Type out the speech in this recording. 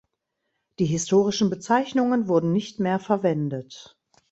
Die historischen Bezeichnungen wurden nicht mehr verwendet.